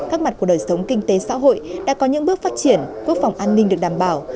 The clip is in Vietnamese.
các mặt của đời sống kinh tế xã hội đã có những bước phát triển quốc phòng an ninh được đảm bảo